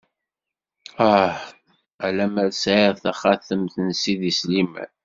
Ah...! A lammer sɛiɣ taxatemt n sidi Sliman!